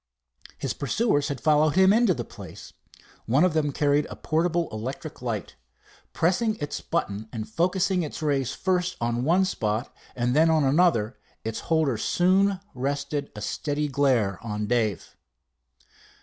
His pursuers had followed him into the place. One of them carried a portable electric light. Pressing its button, and focussing its rays first on one spot and then on another, its holder soon rested a steady glare on Dave.